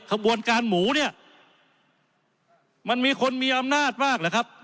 ขบวนการหมูเนี่ยมันมีคนมีอำนาจมากหรือครับ